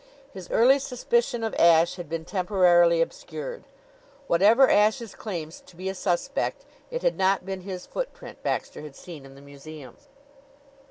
His early suspicion of Ashe had been temporarily obscured. Whatever Ashe's claims to be a suspect, it had not been his footprint Baxter had seen in the museum.